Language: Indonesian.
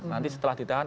nanti setelah ditahan